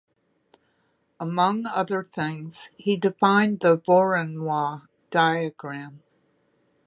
Among other things, he defined the Voronoi diagram.